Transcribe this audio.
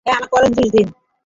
হ্যাঁ, আমাকে orange juice দিন।